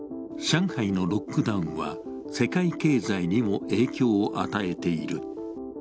上海のロックダウンは、世界経済にも影響を与えている。